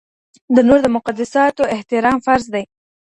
د نورو د مقدساتو احترام فرض دی.